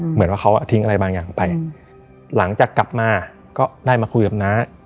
เหมือนว่าเขาทิ้งอะไรบางอย่างไปหลังจากกลับมาก็ได้มาคุยกับน้า